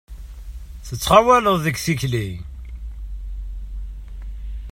I tettɣawaleḍ deg tikli!